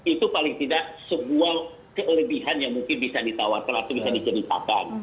itu paling tidak sebuah kelebihan yang mungkin bisa ditawarkan atau bisa diceritakan